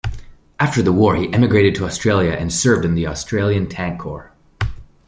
After the war he emigrated to Australia and served in the Australian Tank Corps.